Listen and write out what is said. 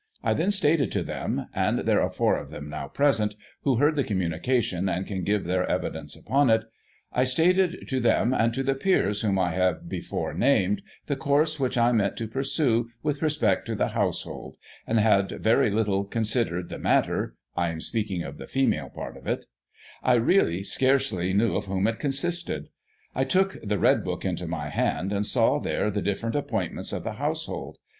I then stated to them — and there are four of them now present, who heard the communication, and can give their evidence upon it — I stated to them, and to the peers whom I have before named, the course which I meant to pursue with respect to the house Digitized by Google i839] LADIES OF THE BEDCHAMBER. 91 hold, and had very little considered the matter (I am speaking of the female part of it) ; I, really, scarcely knew of whom it consisted. I took the *Red Book* into my hand, and saw there the different appointments of the household.